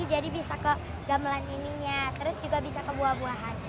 jadi bisa ke gamelan ininya terus juga bisa ke buah buahan